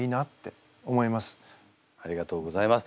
ありがとうございます。